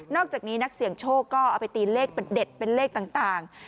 อกจากนี้นักเสี่ยงโชคก็เอาไปตีเลขเป็นเด็ดเป็นเลขต่าง